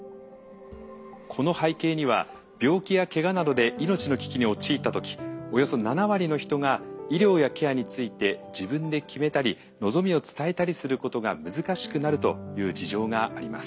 この背景には病気やケガなどで命の危機に陥ったときおよそ７割の人が医療やケアについて自分で決めたり望みを伝えたりすることが難しくなるという事情があります。